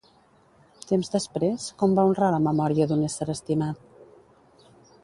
Temps després, com va honrar la memòria d'un ésser estimat?